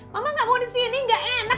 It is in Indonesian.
mama gak mau disini gak enak